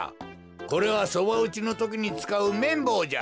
これはそばうちのときにつかうめんぼうじゃ。